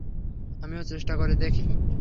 আমিও চেষ্টা করে দেখি!